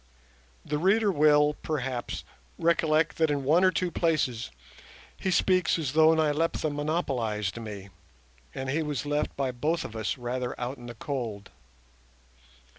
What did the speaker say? The reader will, perhaps, recollect that in one or two places he speaks as though Nyleptha monopolised me, and he was left by both of us rather out in the cold.